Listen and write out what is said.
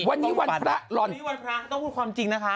วันนี้วันพระต้องพูดความจริงนะคะ